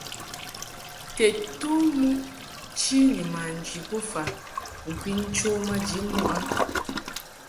Tedtom muʼ chi ni manji bofa ŋkwin cho maji muʼ a.